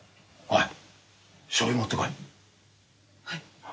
はい。